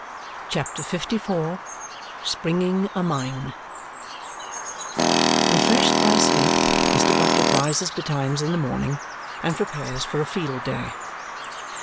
CHAPTER LIV Springing a Mine Refreshed by sleep, Mr. Bucket rises betimes in the morning and prepares for a field day.